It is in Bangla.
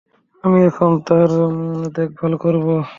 আমি এখন তার দেখভাল করবো।